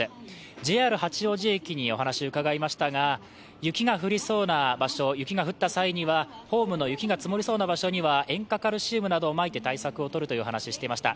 ＪＲ八王子駅にお話を伺いましたが、雪が降りそうな場所、雪が降った際には、ホームの雪が積もりそうな場所には塩化カルシウムなどをまいて対策をとるという話をしていました。